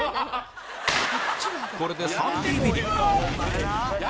これで３ビビリ